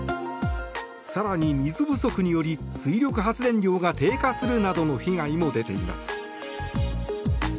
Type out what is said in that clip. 更に水不足により水力発電量が低下するなどの被害も出ています。